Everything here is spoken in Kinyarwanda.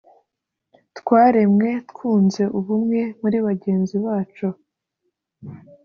twaremwe twunze ubumwe muri bagenzi bacu